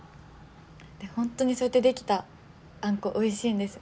本当にそうやって出来たあんこおいしいんです。